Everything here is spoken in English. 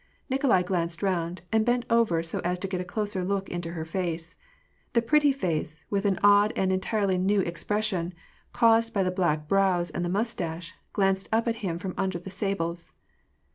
Nikolai glanced round, and bent over so as to get a closer look into her face. The pretty face, with an odd and entirely new expression, caused by the black brows and mustache, glanced up at him from under the sables.